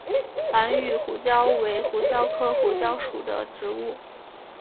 兰屿胡椒为胡椒科胡椒属的植物。